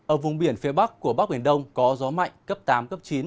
ở vùng biển phía bắc của bắc biển đông có gió mạnh cấp tám cấp chín